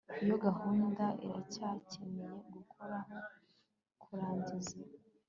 Iyo gahunda iracyakeneye gukoraho kurangiza